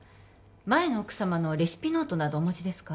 前の奥様のレシピノートなどお持ちですか？